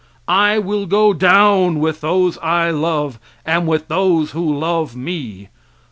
I will go down with those I love and with those who love me.